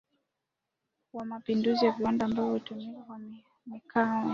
wa mapinduzi ya viwanda ambapo utumiaji wa makaa ya mawe